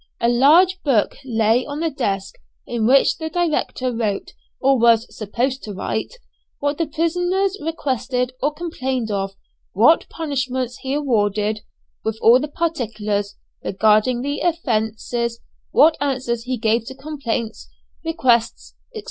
A large book lay on the desk, in which the director wrote, or was supposed to write, what the prisoners requested or complained of, what punishments he awarded, with all the particulars regarding the offences, what answers he gave to complaints, requests, &c.